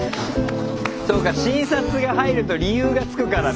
そっか診察が入ると理由がつくからね。